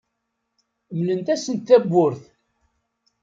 Mlemt-asent tawwurt.